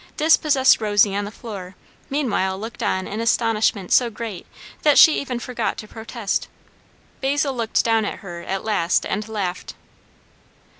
Dispossessed Rosy on the floor meanwhile looked on in astonishment so great that she even forgot to protest. Basil looked down at her at last and laughed.